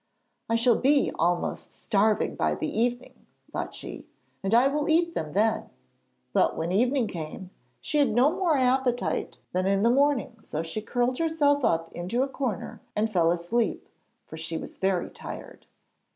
'I shall be almost starving by the evening,' thought she, 'and I will eat them then;' but when evening came she had no more appetite than in the morning, so she curled herself up in a corner and fell asleep, for she was very tired.